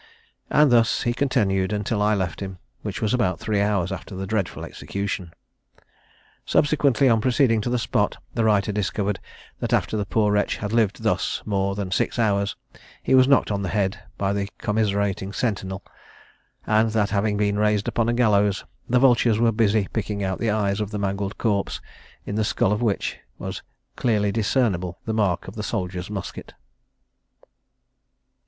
And thus he continued until I left him, which was about three hours after the dreadful execution." Subsequently, on proceeding to the spot, the writer discovered that after the poor wretch had lived thus more than six hours, he was knocked on the head by the commiserating sentinel; and that having been raised upon a gallows, the vultures were busy picking out the eyes of the mangled corpse, in the skull of which was clearly discernible the mark of the soldier's musket.